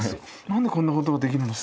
何でこんなことができるんだ。